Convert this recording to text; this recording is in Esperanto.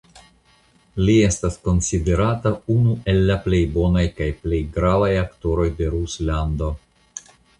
Li estas konsiderata unu el la plej bonaj kaj plej gravaj aktoroj de Ruslando.